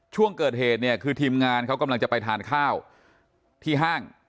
ช่วงเกิดเหตุเนี่ยคือทีมงานเขากำลังจะไปทานข้าวที่ห้าง